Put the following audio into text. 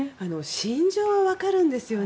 心情はわかるんですよね。